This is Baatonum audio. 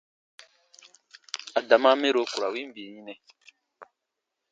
Adama mɛro ku ra win bii yinɛ.